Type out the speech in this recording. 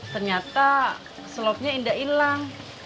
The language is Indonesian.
ternyata slopnya indah hilang